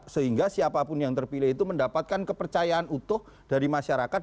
sehingga siapapun yang terpilih itu mendapatkan kepercayaan utuh dari masyarakat